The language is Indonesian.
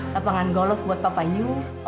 lapangan golf buat papa yuk